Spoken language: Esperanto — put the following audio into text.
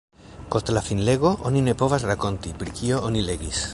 Post la finlego, oni ne povas rakonti, pri kio oni legis.